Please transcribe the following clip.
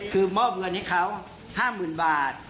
คือมอบเงินให้เขา๕๐๐๐บาท